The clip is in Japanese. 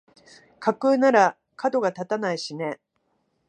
架空ならかどが立たないしね